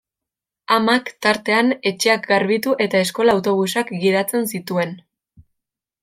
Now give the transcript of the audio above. Amak, tartean, etxeak garbitu eta eskola-autobusak gidatzen zituen.